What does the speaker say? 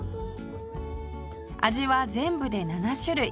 味は全部で７種類